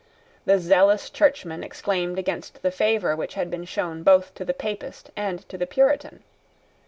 The zealous churchman exclaimed against the favour which had been shown both to the Papist and to the Puritan.